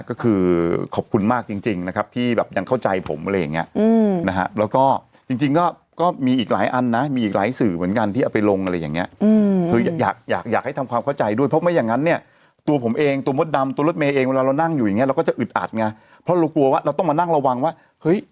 ก็คือขอบคุณมากจริงจริงนะครับที่แบบยังเข้าใจผมอะไรอย่างเงี้ยนะฮะแล้วก็จริงจริงก็มีอีกหลายอันนะมีอีกหลายสื่อเหมือนกันที่เอาไปลงอะไรอย่างเงี้ยคืออยากอยากอยากให้ทำความเข้าใจด้วยเพราะไม่อย่างนั้นเนี่ยตัวผมเองตัวมดดำตัวรถเมย์เองเวลาเรานั่งอยู่อย่างเงี้เราก็จะอึดอัดไงเพราะเรากลัวว่าเราต้องมานั่งระวังว่าเฮ้ย